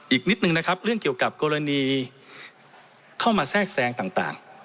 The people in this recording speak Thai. อีกนิดนึงนะครับเรื่องเกี่ยวกับกรณีเข้ามาแทรกแทรงต่าง